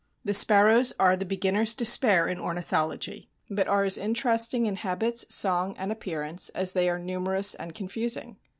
The sparrows are the beginner's despair in ornithology, but are as interesting in habits, song and appearance as they are numerous and confusing.